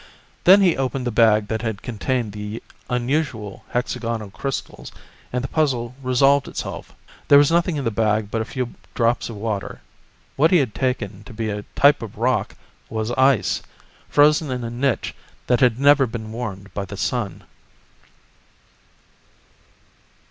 Then he opened the bag that had contained the unusual hexagonal crystals, and the puzzle resolved itself. There was nothing in the bag but a few drops of water. What he had taken to be a type of rock was ice, frozen in a niche that had never been warmed by the sun.